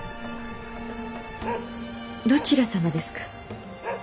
どちら様ですか？